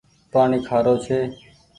پآڻيٚ کآرو ڇي۔